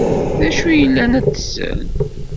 D acu i llan ad tessen?